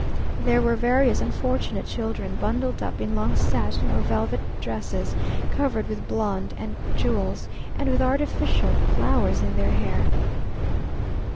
There were various unfortunate children bundled up in long satin or velvet dresses, covered with blond and jewels, and with artificial flowers in their hair.